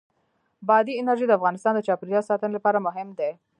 بادي انرژي د افغانستان د چاپیریال ساتنې لپاره مهم دي.